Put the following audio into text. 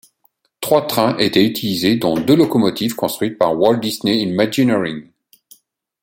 Trois trains étaient utilisés dont deux locomotives construites par Walt Disney Imagineering.